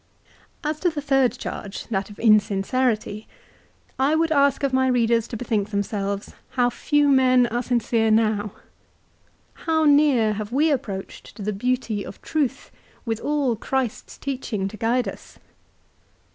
As to the third charge, that of insincerity, I would ask of my readers to bethink themselves how few men are sincere now ? How near have we approached to the beauty of truth, with all Christ's teaching to guide us